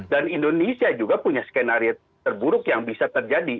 dan indonesia juga punya skenario terburuk yang bisa terjadi